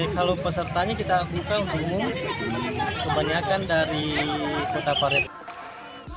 kalau pesertanya kita buka umum kebanyakan dari kota parepare